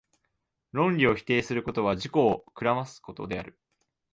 論理を否定することは、自己を暗ますことである。